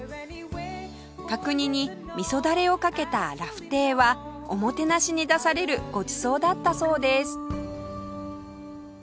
角煮にみそダレをかけたラフテーはおもてなしに出されるごちそうだったそうです